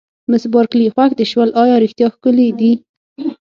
مس بارکلي: خوښ دې شول، ایا رښتیا ښکلي دي؟